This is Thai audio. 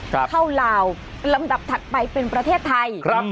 เข้าลาวลำดับถัดไปเป็นประเทศไทยครับ